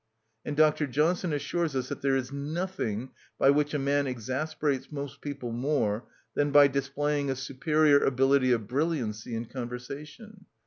_" And Dr. Johnson assures us that "there is nothing by which a man exasperates most people more than by displaying a superior ability of brilliancy in conversation.